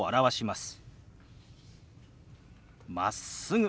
「まっすぐ」。